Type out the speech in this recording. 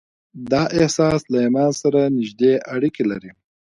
دا احساس له ايمان سره نږدې اړيکې لري.